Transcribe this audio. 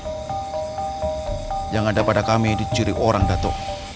banyak yang ada pada kami dicuri orang dato